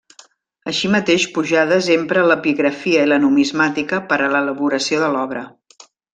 Així mateix Pujades empra l'epigrafia i la numismàtica per a l'elaboració de l'obra.